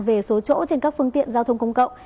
về số chỗ trên các phương tiện giao thông công cộng